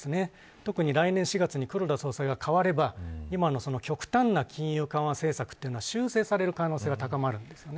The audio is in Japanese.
特に来年４月に黒田総裁が代われば今の極端な金融緩和政策は修正される可能性が高まります。